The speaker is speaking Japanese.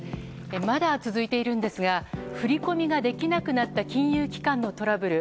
まだ続いているんですが振り込みができなくなった金融機関のトラブル。